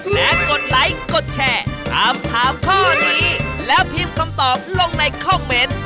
และกดไลค์กดแชร์ถามถามข้อนี้แล้วพิมพ์คำตอบลงในคอมเมนต์